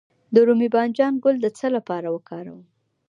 د رومي بانجان ګل د څه لپاره وکاروم؟